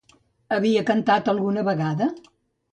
Havia cantat alguna vegada?